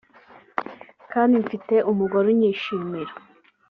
kandi mfite umugore unyishimira